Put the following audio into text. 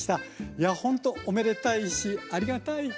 いやほんとおめでたいしありがたい。